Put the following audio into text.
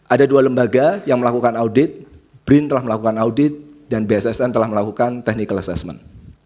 ada dua lembaga yang melakukan audit brin telah melakukan audit dan bssn telah melakukan technical assessment